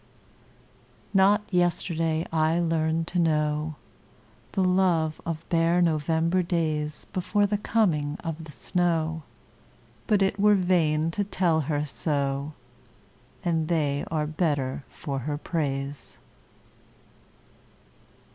Not yesterday I learned to knowThe love of bare November daysBefore the coming of the snow, But it were vain to tell her so, And they are better for her praise.